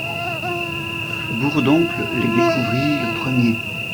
Bourdoncle les découvrit le premier.